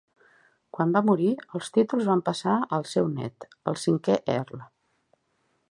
Quan va morir, els títols van passar al seu nét, el cinquè Earl.